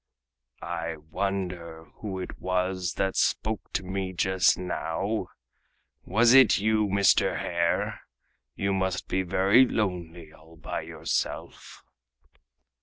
"I wonder who it was that spoke to me just now! Was it you, Mr. Hare? You must be very lonely all by yourself!"